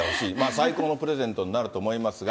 最高のプレゼントになると思いますが。